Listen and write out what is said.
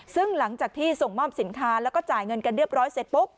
ซึ่งหลังจากที่ส่งมอบสินค้าแล้วก็จ่ายเงินกันเรียบร้อยเสร็จปุ๊บ